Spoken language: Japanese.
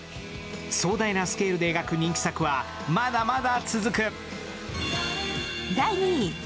壮大なスケールで描く人気作は、まだまだ続く。